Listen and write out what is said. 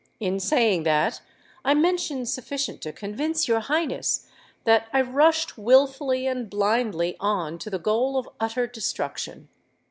In saying that, I mention sufficient to convince your Highness that I rushed wilfully and blindly on to the goal of utter destruction.